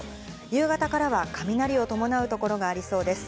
夕方からは雷を伴う所がありそうです。